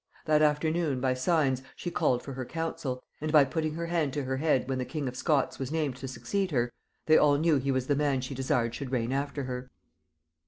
That afternoon by signs she called for her council, and by putting her hand to her head when the king of Scots was named to succeed her, they all knew he was the man she desired should reign after her.